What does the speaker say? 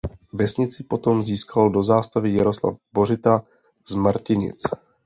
Vesnici potom získal do zástavy Jaroslav Bořita z Martinic.